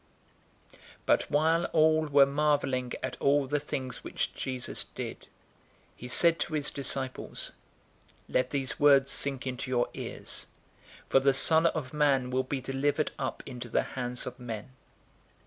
But while all were marveling at all the things which Jesus did, he said to his disciples, 009:044 "Let these words sink into your ears, for the Son of Man will be delivered up into the hands of men."